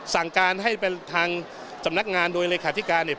สั่งการให้เป็นทางสำนักงานโดยเลขาธิการเนี่ย